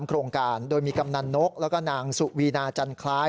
โครงการโดยมีกำนันนกแล้วก็นางสุวีนาจันคล้าย